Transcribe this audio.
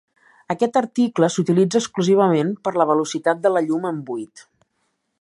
Aquest article s'utilitza exclusivament per la velocitat de la llum en buit.